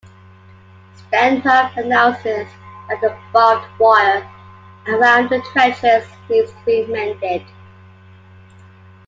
Stanhope announces that the barbed wire around the trenches needs to be mended.